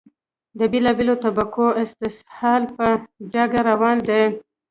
د بېلا بېلو طبقو استحصال په ډاګه روان دی.